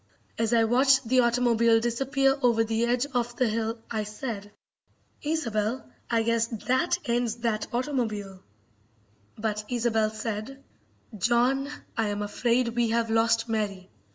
As I watched the automobile disappear over the edge of the hill I said: "Isobel, I guess that ends that automobile," But Isobel said: "John, I am afraid we have lost Mary."